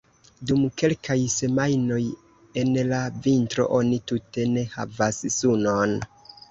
Dum kelkaj semajnoj en la vintro oni tute ne havas sunon.